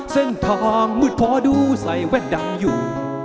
เส้นทางมืดพอดูใส่แว่นดังอยู่